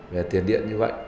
về tiền điện như vậy